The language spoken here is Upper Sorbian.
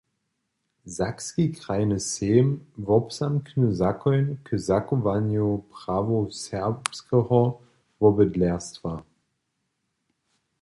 Sakski krajny sejm wobzamkny zakoń k zachowanju prawow serbskeho wobydlerstwa.